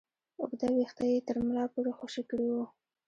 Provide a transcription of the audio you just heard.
اوږده ويښته يې تر ملا پورې خوشې کړي وو.